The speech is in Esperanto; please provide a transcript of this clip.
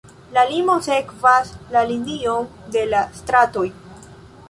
La limo sekvas la linion de la stratoj.